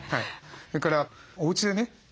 それからおうちでね